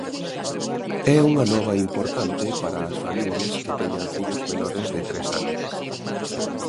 E unha nova importante para as familias que teñan fillos menores de tres anos.